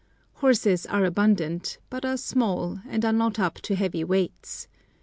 Horses are abundant, but are small, and are not up to heavy weights.